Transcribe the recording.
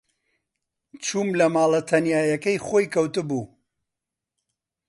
چووم لە ماڵە تەنیایییەکەی خۆی کەوتبوو.